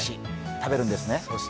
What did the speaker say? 食べるんですね。